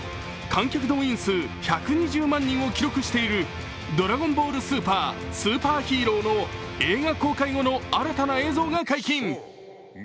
観客動員数１２０万人を記録している「ドラゴンボール超スーパーヒーロー」の映画公開後の新たな映像が解禁。